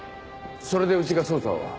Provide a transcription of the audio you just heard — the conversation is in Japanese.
それでうちが捜査を？